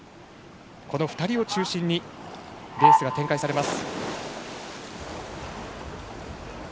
この２人を中心にレースが展開されます。